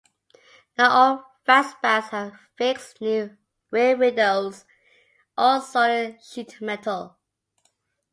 Not all fastbacks have fixed rear windows or solid sheet metal.